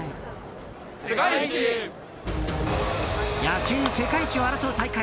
野球世界一を争う大会